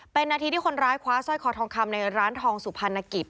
เป็นนาทีที่คนร้ายคว้าสร้อยคอทองคำในร้านทองสุพรรณกิจ